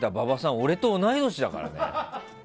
俺と同い年だからね。